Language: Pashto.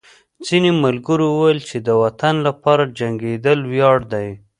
ځینو ملګرو ویل چې د وطن لپاره جنګېدل ویاړ دی